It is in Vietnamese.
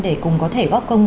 để cùng có thể góp công